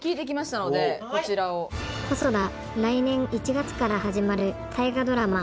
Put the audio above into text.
来年１月から始まる「大河ドラマ」